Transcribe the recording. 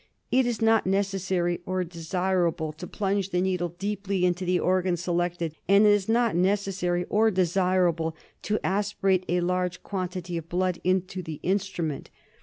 It is not necessary, or desirable, to plunge the needle deeply into the organ selected ; and it is not necessary, or desirable, to aspirate a large quantity of blood into the instrument.